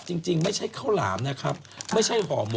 พี่เมียวหน้าสวยไหม